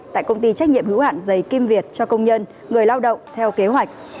tại công ty trách nhiệm hữu hạn dày kim việt cho công nhân người lao động theo kế hoạch